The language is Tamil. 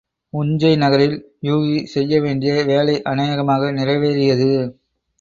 உஞ்சை நகரில் யூகி செய்ய வேண்டிய வேலை அநேகமாக நிறைவேறியது.